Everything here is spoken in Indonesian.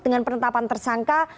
dengan penetapan tersangka